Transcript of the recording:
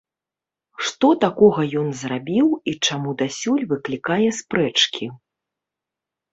Што такога ён зрабіў і чаму дасюль выклікае спрэчкі?